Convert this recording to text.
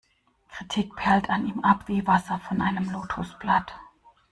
Kritik perlt an ihm ab wie Wasser von einem Lotosblatt.